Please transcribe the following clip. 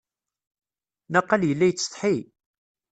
Naqal yella yettsetḥi.